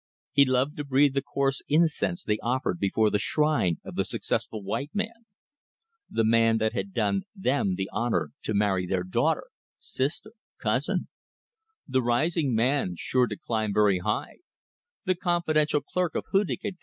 He loved to breathe the coarse incense they offered before the shrine of the successful white man; the man that had done them the honour to marry their daughter, sister, cousin; the rising man sure to climb very high; the confidential clerk of Hudig & Co.